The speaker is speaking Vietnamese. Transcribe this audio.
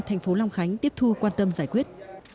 thành phố long khánh tiếp thu quan tâm giải quyết